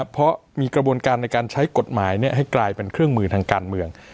เพราะมีกระบวนการในการใช้กฎหมายให้กลายเป็นเครื่องมือทางการเมือง